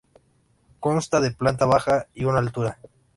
Consta de planta baja y una altura.